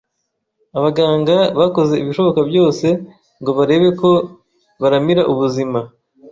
Abaganga bakoze ibishoboka byose ngo barebe ko baramira ubuzima